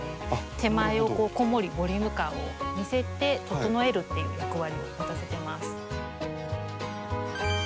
手前をこうこんもりボリューム感を見せて整えるっていう役割を持たせてます。